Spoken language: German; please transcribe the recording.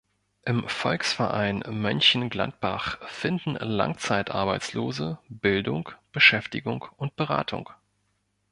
Im Volksverein Mönchengladbach finden Langzeitarbeitslose „Bildung, Beschäftigung und Beratung“.